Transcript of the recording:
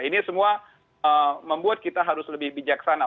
ini semua membuat kita harus lebih bijaksana